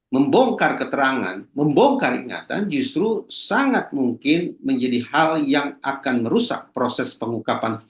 membongkar keterangan membongkar ingatan justru sangat mungkin menjadi hal yang akan merusak proses pengungkapan